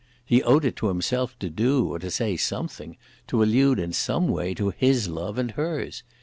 He owed it to himself to do or to say something, to allude in some way to his love and hers.